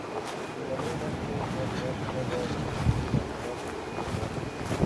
لومړنۍ نښې یې سر درد، تبه، کمزوري، د عضلاتو او غاړې درد دي.